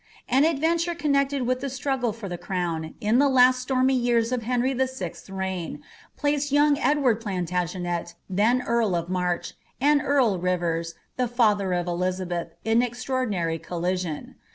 An adrenture connected with the struggle for the crown, in the last stormy years of Henry VI.'s reign, plac^ young Edward Plantagenet^ then earl of March, and earl Rivers, the father of Elizabeth, in extrior dmary collision.